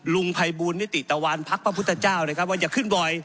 ลุงภัยบูลนิติตะวันพักพระพุทธเจ้านะครับว่าอย่าขึ้นบ่อย